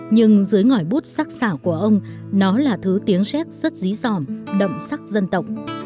nhưng dưới ngòi bút sắc xảo của ông nó là thứ tiếng xét rất dí dòm đậm sắc dân tộc